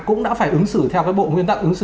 cũng đã phải ứng xử theo cái bộ nguyên tắc